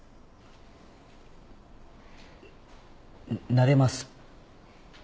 なれます。